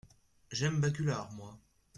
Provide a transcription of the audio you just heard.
J’aime Baculard, moi !